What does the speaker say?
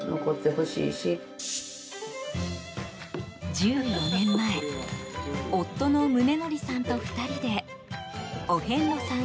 １４年前夫の宗徳さんと２人でお遍路さん